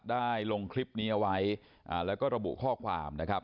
ลงคลิปนี้เอาไว้แล้วก็ระบุข้อความนะครับ